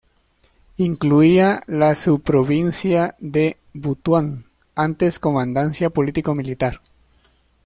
Incluía la sub-provincia de Butuan, antes comandancia político militar.